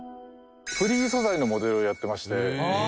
フリー素材のモデルをやってまして。